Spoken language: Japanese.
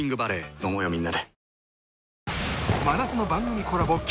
飲もうよみんなで。